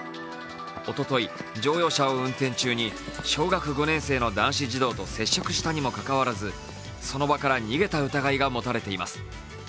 おととい、乗用車を運転中に小学５年生の男子児童と接触したにもかかわらずその場から逃げた疑いが持たれています。